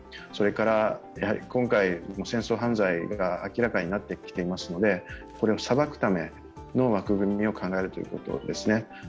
それから、今回の戦争犯罪が明らかになってきていますのでこれを裁くための枠組みを考えるということですね。